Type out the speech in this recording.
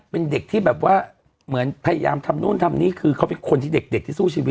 เป็นเด็กที่แบบว่าเหมือนพยายามทำนู้นทำนี้